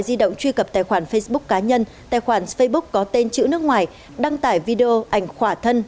di động truy cập tài khoản facebook cá nhân tài khoản facebook có tên chữ nước ngoài đăng tải video ảnh khỏa thân